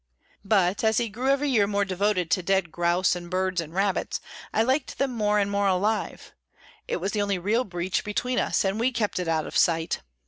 But, as he grew every year more devoted to dead grouse and birds and rabbits, I liked them more and more alive; it was the only real breach between us, and we kept it out of sight.